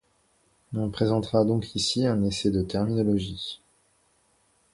On présentera donc ici un essai de terminologie.